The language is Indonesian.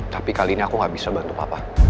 tapi kali ini aku gak bisa bantu papa